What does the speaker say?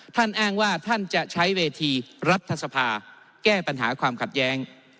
อ้างว่าท่านจะใช้เวทีรัฐสภาแก้ปัญหาความขัดแย้ง